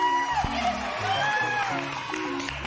สวัสดีครับมาเจอกับแฟแล้วนะครับ